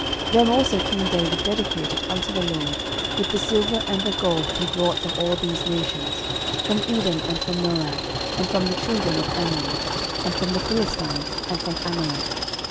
13:018:011 Them also king David dedicated unto the LORD, with the silver and the gold that he brought from all these nations; from Edom, and from Moab, and from the children of Ammon, and from the Philistines, and from Amalek.